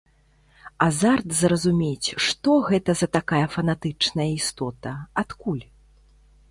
Азарт зразумець, што гэта за такая фанатычная істота, адкуль?